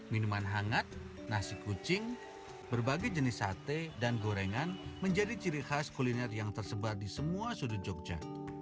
minuman hangat nasi kucing berbagai jenis sate dan gorengan menjadi ciri khas kuliner yang tersebar di semua sudut jogja